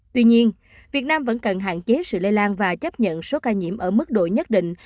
tuy nhiên việt nam vẫn cần hạn chế sự lây lan và chấp nhận số ca nhiễm ở mức độ nhất định